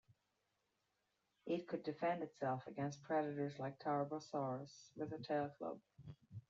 It could defend itself against predators like "Tarbosaurus" with a tail-club.